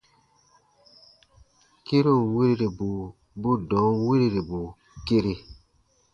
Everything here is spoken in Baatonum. Kĩrun wiriribu bu dɔ̃ɔn wirirbu kere.